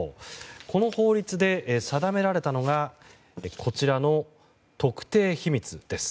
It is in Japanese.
この法律で定められたのがこちらの特定秘密です。